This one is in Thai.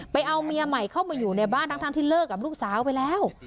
เอาเมียใหม่เข้ามาอยู่ในบ้านทั้งที่เลิกกับลูกสาวไปแล้ว